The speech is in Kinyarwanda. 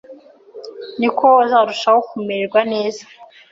ni ko uzarushaho kumererwa neza.